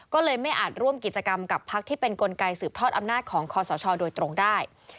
ก็เลยไม่อาจร่วมกิจกรรมกับพักที่เป็นกลไกสืบทอดอำนาจของคอสชโดยตรงได้